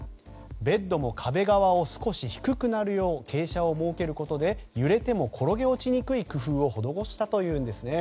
ベッドも壁側を少し低くなるよう傾斜を設けることで揺れても転げ落ちにくい工夫を施したというんですね。